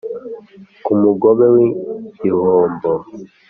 ku mugobe w’igihombo